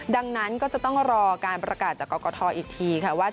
ดังนั้นก็จะต้องรอการประกาศจากกล้าท้ออีกทีค่ะ